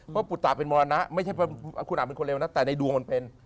เพราะปุตตะเป็นมรณะไม่ใช่คุณอาจเป็นคนเลวนะแต่ในดวงมันเป็น